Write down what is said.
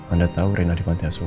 anda tahu rena dimatikan semua